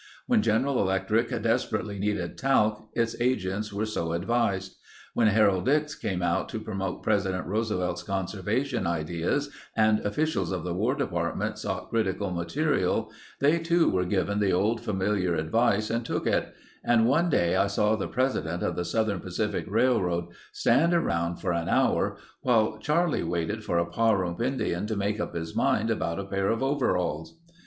When General Electric desperately needed talc, its agents were so advised. When Harold Ickes came out to promote President Roosevelt's conservation ideas and officials of the War Department sought critical material, they too were given the old familiar advice and took it, and one day I saw the President of the Southern Pacific Railroad stand around for an hour while Charlie waited for a Pahrump Indian to make up his mind about a pair of overalls.